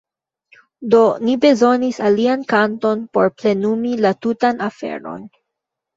Do ni bezonis alian kanton por plenumi la tutan aferon.